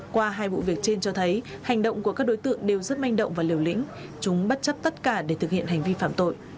qua hai vụ việc trên cho thấy hành động của các đối tượng đều rất manh động và liều lĩnh chúng bắt chấp tất cả để thực hiện hành vi phạm tội